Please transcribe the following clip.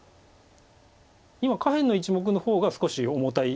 今下辺の１目の方が少し重たい